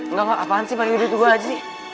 nggak nggak apaan sih pake duit gue aja sih